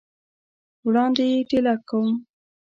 وړاندي یې ټېله کوم !